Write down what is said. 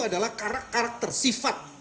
adalah karakter sifat